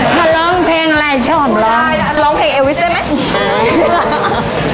เอวิสไม่ได้ถ้าร้องเพลงอะไรชอบร้องใช่ร้องเพลงเอวิสได้ไหมอ่า